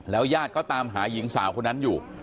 แล้วยาดก็ตามหายิงสาวคนนั้นอยู่